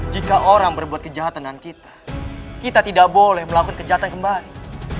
jika orang berbuat kejahatan dengan kita kita tidak boleh melakukan kejahatan kembali